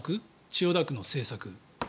千代田区の政策。